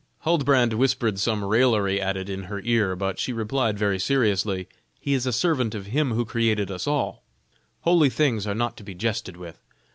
Huldbrand whispered some raillery at it in her ear, but she replied very seriously: "He is a servant of Him who created us all; holy things are not to be jested with."